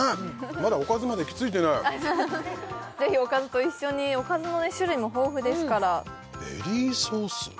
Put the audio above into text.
まだおかずまで行き着いてないぜひおかずと一緒におかずの種類も豊富ですからベリーソース？